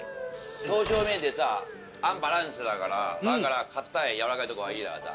刀削麺ってさアンバランスだからだから硬いやわらかいところがいいだからさ。